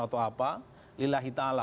atau apa lillahi ta'ala